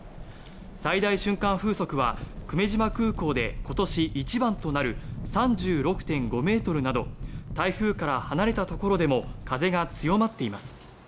最大瞬間風速は久米島空港で今年一番となる３６．５ｍなど台風から離れたところでも風が強まっています。